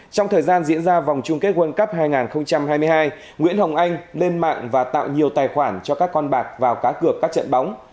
trong thời gian diễn ra vòng chung kết world cup hai nghìn hai mươi hai nguyễn hồng anh lên mạng và tạo nhiều tài khoản cho các con bạc vào cá cược các trận bóng